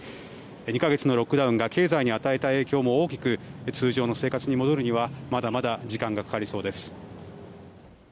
２か月のロックダウンが経済に与えた影響も大きく通常の生活に戻るにはまだまだ時間がかかりそうです。